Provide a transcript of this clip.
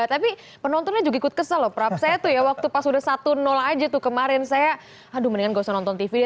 tapi penontonnya juga ikut kesel loh prap saya tuh ya waktu pas udah satu aja tuh kemarin saya aduh mendingan gak usah nonton tv deh